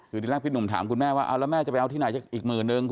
คือที่แรกพี่หนุ่มถามคุณแม่ว่าเอาแล้วแม่จะไปเอาที่ไหนอีกหมื่นนึง